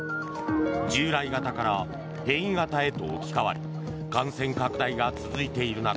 従来型から変異型へと置き換わり感染拡大が続いている中